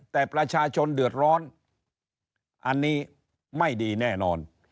แต่ประชาชนเดือดร้อนอันนี้ไม่ดีแน่นอน